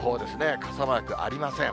傘マークありません。